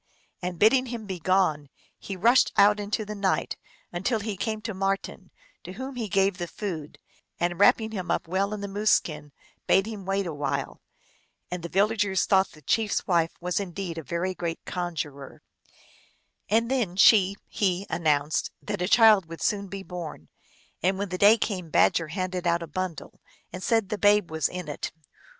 and bidding him begone, he rushed out into the night, until he came to Mar ten, to whom he gave the food, and, wrapping him up well in the moose skin, bade him wait a while. And 1 A great delicacy among these semi Arctic Indians. 190 THE ALGONQUIN LEGENDS. the villagers thought the chief s wife was indeed a very great conjurer. And then she he announced that a child would soon be born. And when the day came Badger handed out a bundle, and said that the babe was in it.